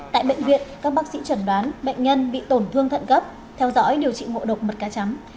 tại bệnh viện các bác sĩ chẩn đoán bệnh nhân bị tổn thương thận gấp theo dõi điều trị ngộ độc mật cá chấm